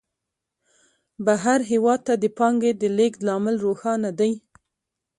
بهر هېواد ته د پانګې د لېږد لامل روښانه دی